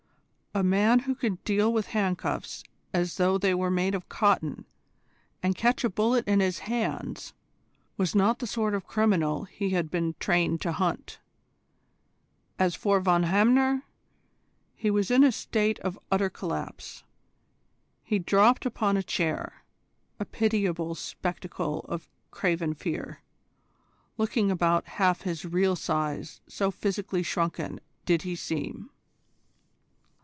A man who could deal with handcuffs as though they were made of cotton, and catch a bullet in his hands, was not the sort of criminal he had been trained to hunt. As for Von Hamner, he was in a state of utter collapse. He dropped upon a chair, a pitiable spectacle of craven fear, looking about half his real size so physically shrunken did he seem.